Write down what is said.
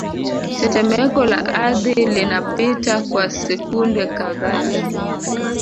Tetemeko la ardhi linapita kwa sekunde kadhaa